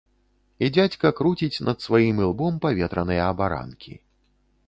І дзядзька круціць над сваім ілбом паветраныя абаранкі.